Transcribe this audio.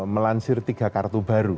melansir tiga kartu baru